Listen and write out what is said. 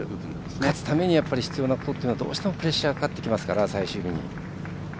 勝つために必要なことはどうしてもプレッシャーがかかってきますから最終日に。